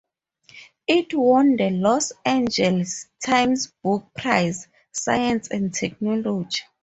It won the Los Angeles Times Book Prize, Science and technology.